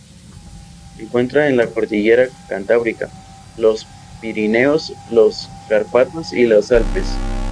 Se encuentra en la cordillera Cantábrica, los Pirineos, los Cárpatos y los Alpes.